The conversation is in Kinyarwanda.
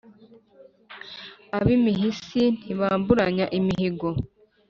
Ab’imihisi ntibamburanya imihigo